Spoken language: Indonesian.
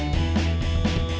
mana sih ini